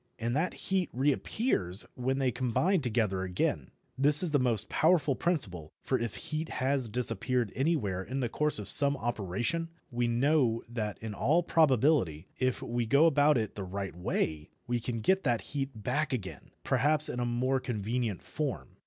And that heat reappears when they combine together again. This is a most useful principle, for if heat has disappeared anywhere in the course of some operation, we know that in all probability, if we go about it the right way, we can get that heat back again, perhaps in a more convenient form.